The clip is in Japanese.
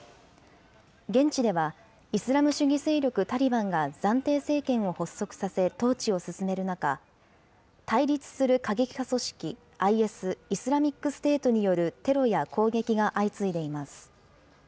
現地ではイスラム主義勢力タリバンが暫定政権を発足させ統治を進める中、対立する過激派組織ＩＳ・イスラミックステートによるテロや攻撃が相次いでいます。